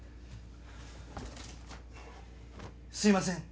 すいません！